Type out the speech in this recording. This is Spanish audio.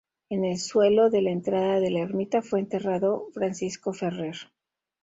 En el suelo de la entrada de la ermita fue enterrado Francisco Ferrer.